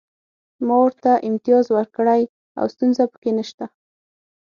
ما ورته امتیاز ورکړی او ستونزه پکې نشته